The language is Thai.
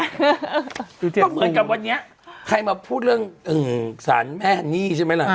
ดูเจ็บหูต้องเหมือนกับวันนี้ใครมาพูดเรื่องอืมสารแม่ฮันนี่ใช่ไหมล่ะ